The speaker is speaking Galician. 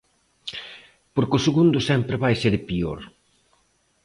Porque o segundo sempre vai ser peor.